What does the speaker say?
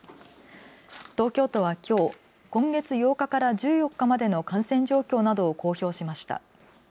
東京都はきょう今月８日から１４日までの感染状況などを公表しました。